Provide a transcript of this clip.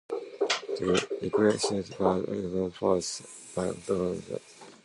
The equipment was allegedly sold to the Syrians by an authorized NetApp reseller.